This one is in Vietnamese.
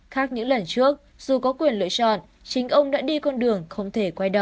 khác những lần trước dù có quyền lựa chọn chính ông đã đi con đường không thể quay đầu